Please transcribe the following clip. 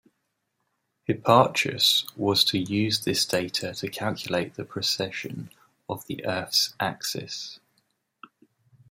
Hipparchus was to use this data to calculate the precession of the Earth's axis.